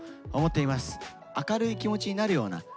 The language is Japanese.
明るい気持ちになるようなラブソング